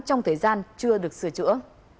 trong thời gian chưa được sửa chữa